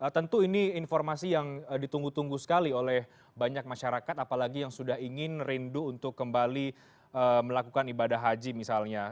tentu ini informasi yang ditunggu tunggu sekali oleh banyak masyarakat apalagi yang sudah ingin rindu untuk kembali melakukan ibadah haji misalnya